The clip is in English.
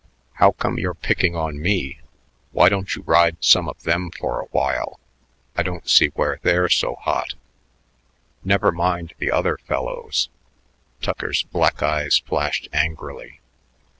How come you're picking on me? Why don't you ride some of them for a while? I don't see where they're so hot." "Never mind the other fellows." Tucker's black eyes flashed angrily.